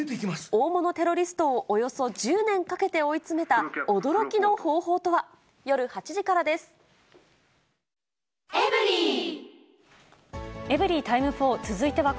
大物テロリストをおよそ１０年かけて追い詰めた驚きの方法とは。